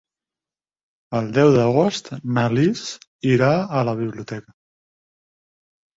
El deu d'agost na Lis irà a la biblioteca.